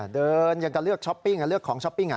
เดินอยากจะเลือกของช้อปปิ้ง